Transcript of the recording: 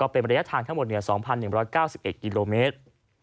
เป็นระยะทางทั้งหมด๒๑๙๑กิโลเมตร